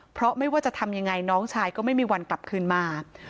เพราะไม่ว่าจะทำยังไงน้องชายก็ไม่มีวันกลับคืนมา